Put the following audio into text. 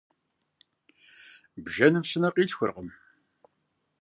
Бжэным щынэ къилъхуркъым.